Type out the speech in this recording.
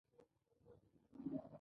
د خراسان پر لور حرکت وکړي.